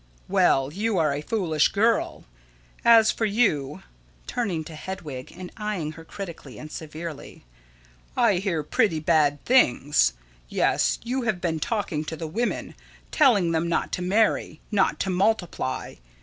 Well, you are a foolish girl. As for you [Turning to Hedwig, and eyeing her critically and severely], I hear pretty bad things. Yes, you have been talking to the women telling them not to marry, not to multiply.